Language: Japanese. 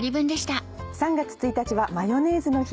３月１日はマヨネーズの日。